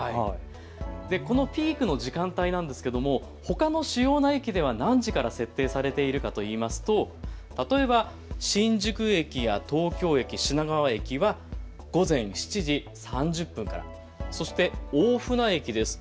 このピークの時間帯なんですけれどほかの主要な駅では何時から設定されているかといいますと例えば新宿駅や東京駅、品川駅は午前７時３０分から、そして大船駅ですと